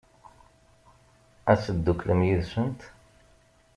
Ad tedduklem yid-sent?